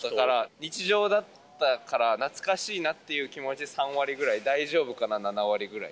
日常だったから、懐かしいなっていう気持ち３割ぐらい、大丈夫かな７割ぐらい。